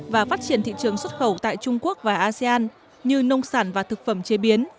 và phát triển thị trường xuất khẩu tại trung quốc và asean như nông sản và thực phẩm chế biến